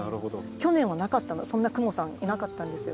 去年はなかったのそんなクモさんいなかったんですよ。